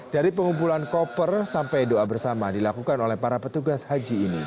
dari pengumpulan koper sampai doa bersama dilakukan oleh para petugas haji ini